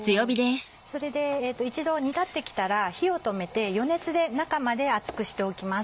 それで一度煮立ってきたら火を止めて余熱で中まで熱くしておきます。